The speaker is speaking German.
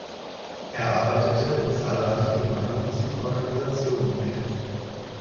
Er arbeitete in zahlreichen gemeinnützigen Organisationen mit.